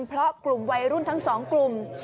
เพราะกลุ่มวัยรุ่นทั้งสองกลุ่ม